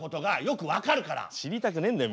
知りたくねえんだよ